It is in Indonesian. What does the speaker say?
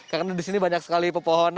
karena disini banyak sekali pepohon